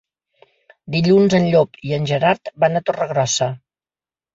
Dilluns en Llop i en Gerard van a Torregrossa.